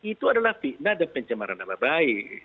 itu adalah fitnah dan pencemaran nama baik